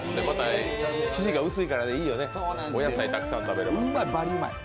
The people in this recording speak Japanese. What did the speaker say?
生地が薄いからいいよね、お野菜たくさん食べられます。